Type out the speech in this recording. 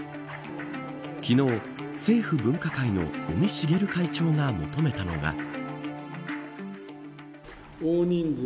昨日、政府分科会の尾身茂会長が求めたのが。